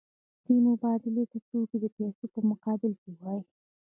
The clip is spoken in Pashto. دې مبادلې ته توکي د پیسو په مقابل کې وايي